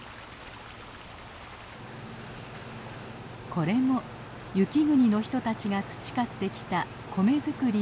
これも雪国の人たちが培ってきた米作りの知恵。